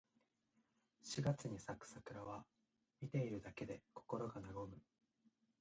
四月に咲く桜は、見ているだけで心が和む。